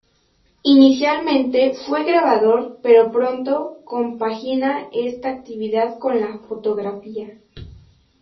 Inicialmente fue grabador pero pronto compagina esta actividad con la fotografía.